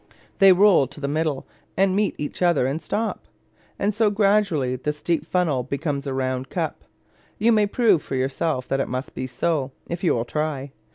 They roll to the middle, and meet each other, and stop. And so gradually the steep funnel becomes a round cup. You may prove for yourself that it must be so, if you will try.